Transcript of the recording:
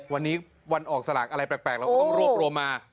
วันนี้วันออกสลากอะไรแปลกเราก็ต้องรวบรวมมา